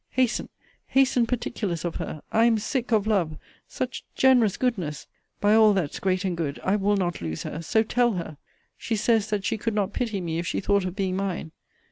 Hasten, hasten particulars of her! I am sick of love! such generous goodness! By all that's great and good, I will not lose her! so tell her! She says, that she could not pity me, if she thought of being mine!